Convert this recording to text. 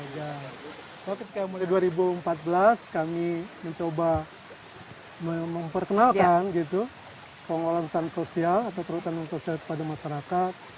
kalau ketika mulai dua ribu empat belas kami mencoba memperkenalkan pengolahan hutan sosial atau perhutanan sosial kepada masyarakat